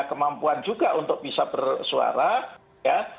kemampuan juga untuk bisa bersuara ya